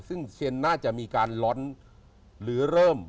ซึ่งเซียนน่าจะมีการล้อนหรือเริ่ม